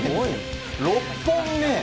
６本目。